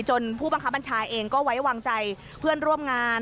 ผู้บังคับบัญชาเองก็ไว้วางใจเพื่อนร่วมงาน